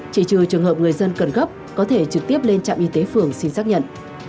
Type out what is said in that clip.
chỉ trừ trường hợp người dân cần gấp có thể trực tiếp lên trạm y tế phường xin xác nhận